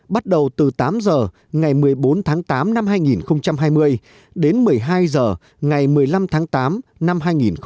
bắt đầu từ tám h ngày một mươi bốn tháng tám năm hai nghìn hai mươi đến một mươi hai h ngày một mươi năm tháng tám năm hai nghìn hai mươi